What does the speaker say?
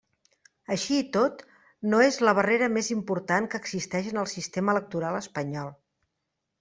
Així i tot, no és la barrera més important que existeix en el sistema electoral espanyol.